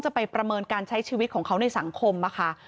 ไปประเมินการใช้ชีวิตของเขาในสังคมนะคะ